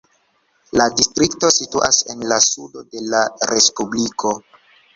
La distrikto situas en la sudo de la respubliko.